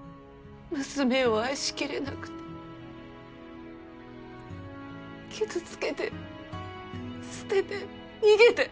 ・娘を愛しきれなくて。傷つけて捨てて逃げて。